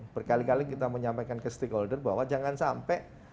berkali kali kita menyampaikan ke stakeholder bahwa jangan sampai